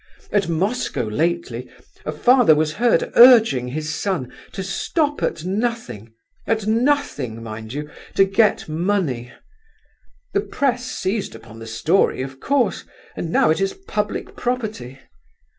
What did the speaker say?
At Moscow lately a father was heard urging his son to stop at nothing—at nothing, mind you!—to get money! The press seized upon the story, of course, and now it is public property.